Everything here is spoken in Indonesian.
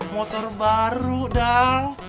motor baru dang